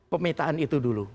pemetaan itu dulu